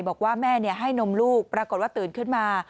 บอกว่าแม่ให้นมลูกปรากฏว่าตื่นขึ้นมา